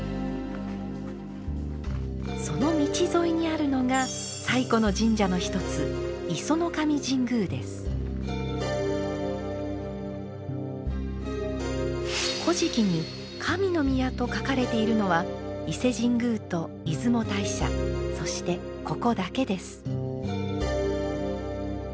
その道沿いにあるのが最古の神社の一つ「古事記」に「神の宮」と書かれているのは伊勢神宮と出雲大社そしてここだけです。